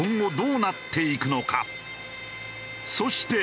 そして。